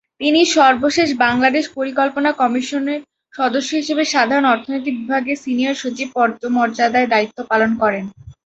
তিনি সর্বশেষ বাংলাদেশ পরিকল্পনা কমিশনের সদস্য হিসেবে সাধারণ অর্থনীতি বিভাগে সিনিয়র সচিব পদমর্যাদায় দায়িত্ব পালন করেন।